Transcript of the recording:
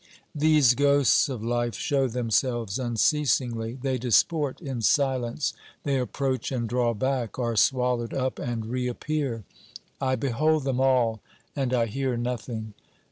These ghosts of life show themselves unceasingly, they disport in silence, they approach and draw back, are swallowed up and reappear; I behold them all and 1 hear nothing.